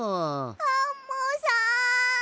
アンモさん。